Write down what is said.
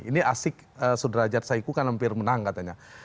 ini asik sudrajat saiku kan hampir menang katanya